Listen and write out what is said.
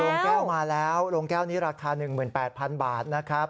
แก้วมาแล้วโรงแก้วนี้ราคา๑๘๐๐๐บาทนะครับ